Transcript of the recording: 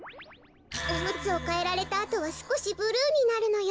おむつをかえられたあとはすこしブルーになるのよ。